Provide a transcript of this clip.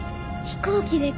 飛行機？